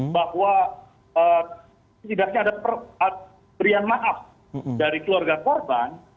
bahwa setidaknya ada berian maaf dari keluarga korban